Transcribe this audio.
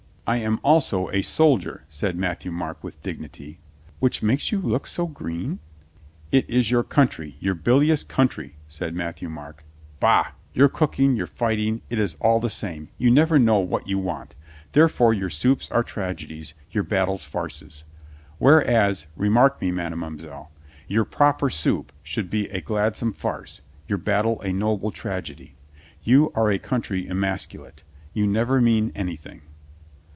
"I am also a soldier," said Matthieu Marc with dignity. "Which makes you look so green?" "It is your country, your bilious country," said Matthieu Marc. "Bah, your cooking, your fight ing, it is all the same; you never know what you want. Therefore your soups are tragedies, your battles farces. Whereas — remark me, madamoiselle — ^your proper soup should be a gladsome farce, your battle a noble tragedy. You are a country emasculate. You never mean anything."